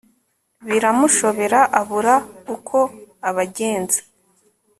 Biramushobera abura uko abagenza